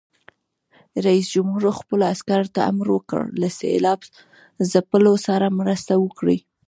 رئیس جمهور خپلو عسکرو ته امر وکړ؛ له سېلاب ځپلو سره مرسته وکړئ!